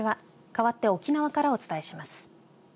かわって沖縄からお伝えします。